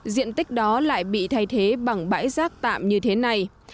diện tích đó lại bị thay thế bằng bãi rác tạm như thế này